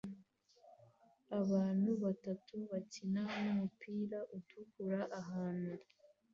Abantu batatu bakina numupira utukura ahantu